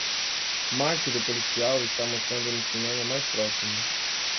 Mark do Policial está mostrando no cinema mais próximo